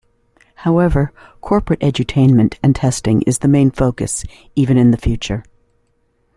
However, corporate edutainment and testing is the main focus even in the future.